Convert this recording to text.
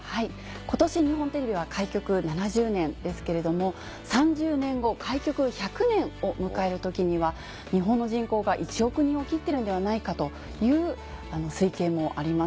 今年日本テレビは開局７０年ですけれども３０年後開局１００年を迎える時には日本の人口が１億人を切ってるんではないかという推計もあります。